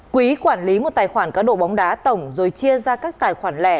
quý quản lý một tài khoản cá độ bóng đá tổng rồi chia ra các tài khoản lẻ